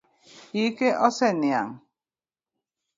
Ike oseniang'.